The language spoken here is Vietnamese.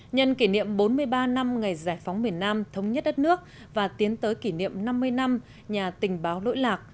nhân kỷ niệm bốn mươi ba năm ngày giải phóng miền nam thống nhất đất nước và tiến tới kỷ niệm năm mươi năm nhà tình báo nỗi lạc